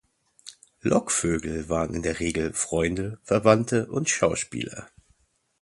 Lockvögel waren in der Regel Freunde, Verwandte und Schauspieler.